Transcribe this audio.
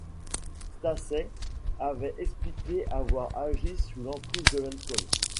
Stacey avait expliqué avoir agi sous l'emprise de l'alcool.